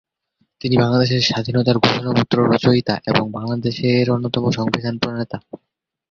তিনি বাংলাদেশের স্বাধীনতার ঘোষণাপত্র রচয়িতা এবং স্বাধীন বাংলাদেশের অন্যতম সংবিধান প্রণেতা।